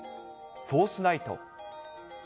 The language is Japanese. そうしないと。